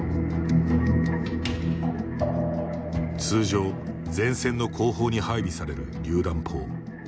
通常、前線の後方に配備されるりゅう弾砲。